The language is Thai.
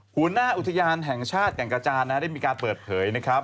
หัวหน้าอุทยานแห่งชาติแก่งกระจานได้มีการเปิดเผยนะครับ